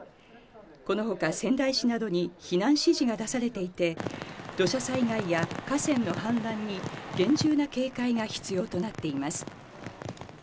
このほか仙台市などに避難指示が出されていて、土砂災害や河川の氾濫に厳重な警戒が必要となっています。